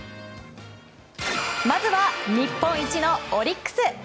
まずは、日本一のオリックス！